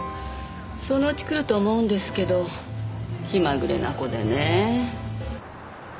そのうち来ると思うんですけど気まぐれな子でねぇ。